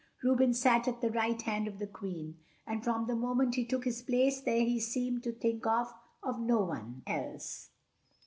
Reuben sat at the right hand of the Queen, and from the moment he took his place there he seemed to think of no one else.